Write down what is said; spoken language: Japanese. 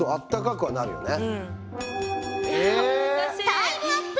タイムアップ。